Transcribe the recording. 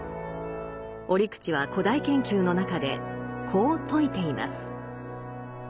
折口は「古代研究」の中でこう説いています。